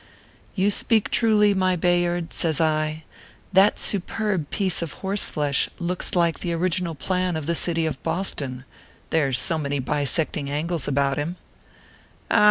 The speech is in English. " You speak truly, my Bayard," says I ;" that superb piece of horseflesh looks like the original plan of the city of Boston there s so many bisecting angles about him/ "Ah